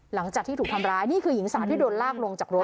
หลังจากที่ถูกทำร้ายนี่คือหญิงสาวที่โดนลากลงจากรั